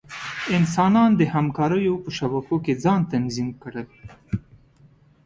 انسانان د همکاریو په شبکو کې ځان تنظیم کړل.